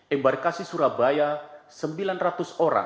embarkasi jakarta surabaya j commissioning delapan ratus orang dua kelompok terbang